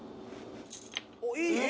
おっいい！